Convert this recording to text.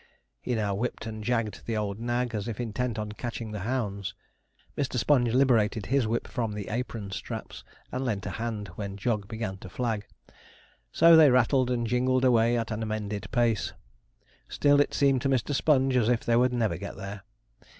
He now whipped and jagged the old nag, as if intent on catching the hounds. Mr. Sponge liberated his whip from the apron straps, and lent a hand when Jog began to flag. So they rattled and jingled away at an amended pace. Still it seemed to Mr. Sponge as if they would never get there.